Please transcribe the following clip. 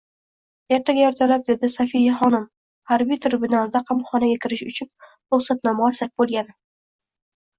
Ertaga ertalab, dedi Sofiya xonim, harbiy tribunaldan qamoqxonaga kirish uchun ruxsatnoma olsak bo`lgani